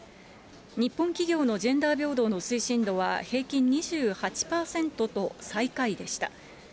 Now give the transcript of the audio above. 日本企業のジェンダー平等の推進度は平均２８％と、最下位でした。